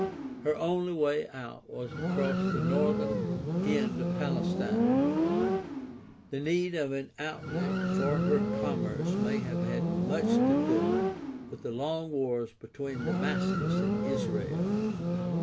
Her only way out was across the northern end of Palestine. The need for an outlet for her commerce may have had much to do with the long wars between Damascus and Israel.